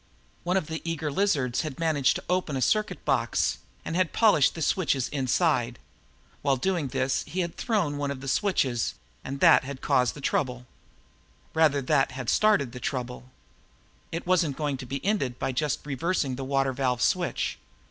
One of the eager lizards had managed to open a circuit box and had polished the switches inside. While doing this, he had thrown one of the switches and that had caused the trouble. Rather, that had started the trouble. It wasn't going to be ended by just reversing the water valve switch.